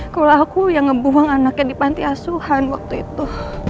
kalau aku yang ngebuang anaknya di panti asuhan waktu itu